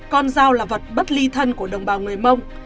con dao là vật bất ly thân của đồng bào người mông